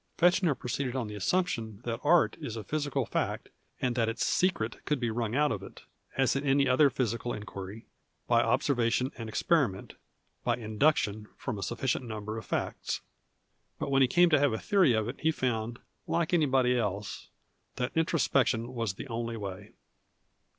Feehner proceeded on the assumption that art is a physical fact and that its " secret " could be wriuig out of it, as in any other physical inquiry, by observation and experiment, by induc tion from a sufficient number of facts. But when he came to have a theory of it he found, like anybody else, that introspection was the only way.